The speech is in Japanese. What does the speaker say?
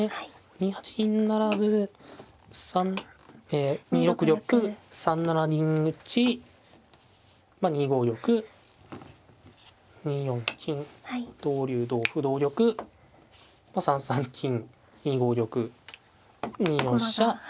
２八銀不成２六玉３七銀打ち２五玉２四金同竜同歩同玉３三金２五玉２四飛車